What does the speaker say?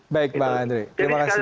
baik bang andre terima kasih